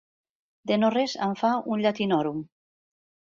De no res en fa un llatinòrum.